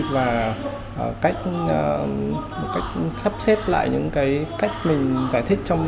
và cách sắp xếp lại những cái cách mình giải thích